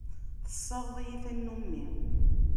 Tessaɣeḍ-iyi tannumi.